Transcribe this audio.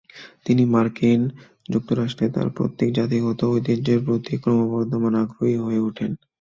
তিনি মার্কিন যুক্তরাষ্ট্রে তার পৈতৃক জাতিগত ঐতিহ্যের প্রতি ক্রমবর্ধমান আগ্রহী হয়ে ওঠেন।